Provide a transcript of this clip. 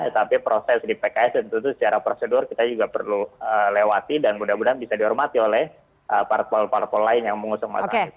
tapi proses di pks tentu secara prosedur kita juga perlu lewati dan mudah mudahan bisa dihormati oleh parpol parpol lain yang mengusung mas anies